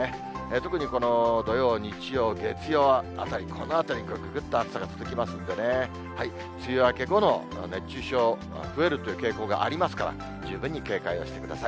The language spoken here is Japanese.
特にこの土曜、日曜、月曜あたり、このあたり、ぐぐぐっと暑さが続きますんでね、梅雨明け後の熱中症、増えるという傾向がありますから、十分に警戒をしてください。